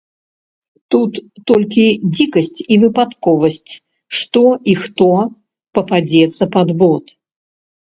Тут толькі дзікасць і выпадковасць, што і хто пападзецца пад бот?!